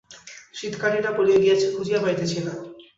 সিঁধকাটিটা পড়িয়া গিয়াছে খুঁজিয়া পাইতেছি না।